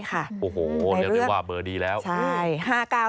โอ้โฮอย่าบอกว่าเบอร์ดีแล้ว